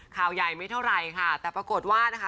ข่าวใหญ่ไม่เท่าไหร่ค่ะแต่ปรากฏว่านะคะ